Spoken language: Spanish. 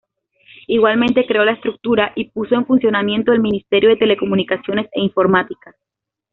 Igualmente creó la estructura y puso en funcionamiento el Ministerio de Telecomunicaciones e Informática.